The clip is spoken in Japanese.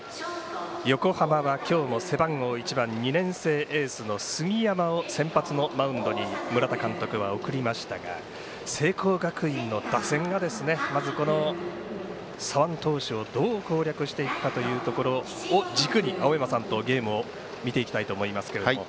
横浜は今日も背番号１番２年生エースの杉山を先発のマウンドに村田監督は送りましたが聖光学院の打線が左腕投手をどう攻略していくかというところを軸に青山さんとゲームを見ていきたいと思いますけども。